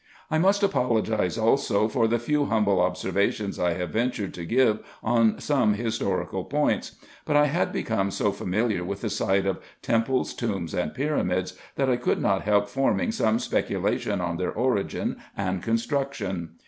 I must apologise also for the few humble observations I have ventured to give on some historical points ; but I had become so familiar with the sight of temples, tombs, and pyramids, that I could not help forming some speculation on their origin and construction.